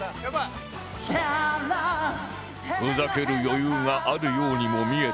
ふざける余裕があるようにも見えていたが